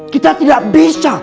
kita tidak bisa